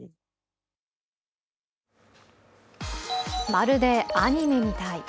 まるでアニメみたい。